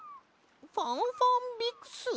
ファンファンビクス？